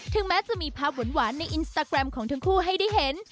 แม้จะมีภาพหวานในอินสตาแกรมของทั้งคู่ให้ได้เห็น